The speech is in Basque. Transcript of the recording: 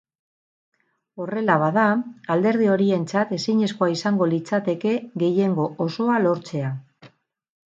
Horrela, bada, alderdi horientzat ezinezkoa izango litzateke gehiengo osoa lortzea.